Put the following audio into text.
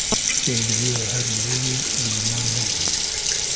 Pêdiviya her mirovî, bi ziman heye